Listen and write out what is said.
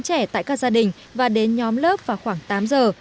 cháu đưa đón trẻ tại các gia đình và đến nhóm lớp vào khoảng tám giờ